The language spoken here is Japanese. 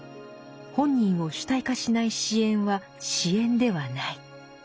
本人を主体化しない支援は支援ではない。